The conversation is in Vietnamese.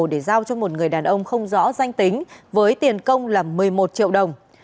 để giao cho một người đàn ông không rõ danh tính với tiền công là một mươi một triệu đồng